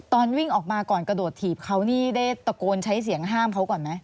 ตอนวิ่งออกมาก่อนกระโดดถีบเขานี่ได้ตะโกนใช้เสียงห้ามเขาก่อนไหม